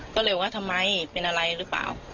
ก็เลยว่าทำไมเป็นอะไรหรือเปล่า